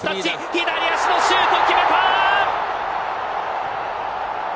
左足のシュート、決めた。